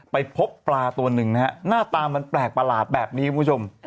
ไปพบปลาตัวหนึ่งนะฮะหน้าตามันแปลกประหลาดแบบนี้คุณผู้ชม